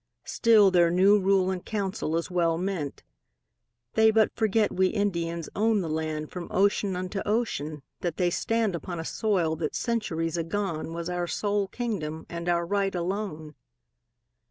Still their new rule and council is well meant. They but forget we Indians owned the land From ocean unto ocean; that they stand Upon a soil that centuries agone Was our sole kingdom and our right alone.